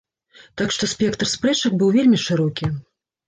Так што спектр спрэчак быў вельмі шырокі.